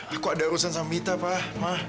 aku ada urusan sama mita pak ma